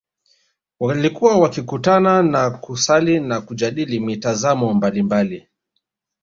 Walikuwa wakikutana kwa kusali na kujadili mitazamo mbalimbali